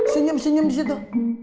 senyum senyum di situ